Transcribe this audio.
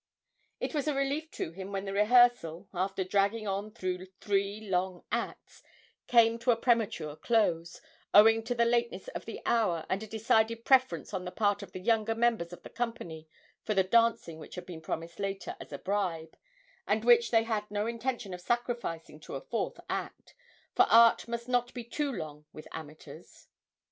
It was a relief to him when the rehearsal, after dragging on through three long acts, came to a premature close, owing to the lateness of the hour and a decided preference on the part of the younger members of the company for the dancing which had been promised later as a bribe, and which they had no intention of sacrificing to a fourth act for art must not be too long with amateurs.